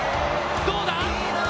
どうだ？